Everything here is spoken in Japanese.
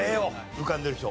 浮かんでる人。